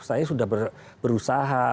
saya sudah berusaha